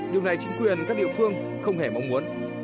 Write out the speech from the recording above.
điều này chính quyền các địa phương không hề mong muốn